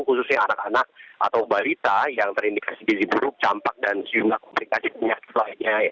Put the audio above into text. khususnya anak anak atau balita yang terindikasi gizi buruk campak dan sejumlah komplikasi penyakit lainnya